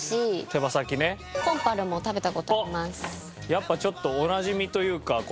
やっぱちょっとおなじみというかこれは。